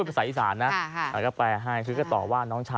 พี่สาวก็คงโกรธเหมือนกันนะแม่